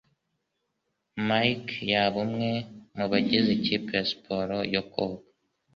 Mike yaba umwe mubagize ikipe ya siporo yo koga?